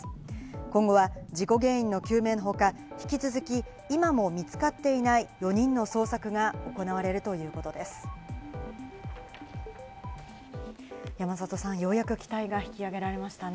今後は事故原因の究明のほか、引き続き、今も見つかっていない４人の捜索が行われるという山里さん、ようやく機体が引き揚げられましたね。